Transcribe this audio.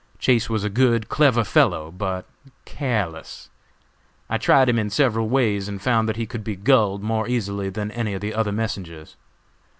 Chase was a good, clever fellow, but careless. I tried him in several ways, and found that he could be "gulled" more easily than any of the other messengers.